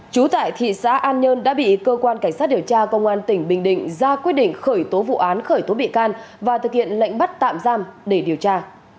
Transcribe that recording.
chú tại thị xã an nhơn đã bị cơ quan cảnh sát điều tra công an tỉnh bình định ra quyết định khởi tố vụ án khởi tố bị can và thực hiện lệnh bắt tạm giam để điều tra